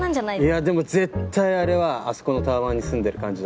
いやでも絶対あれはあそこのタワマンに住んでる感じだった。